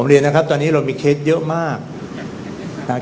ผมเรียนนะครับตอนนี้เรามีเคสเยอะมากอ่า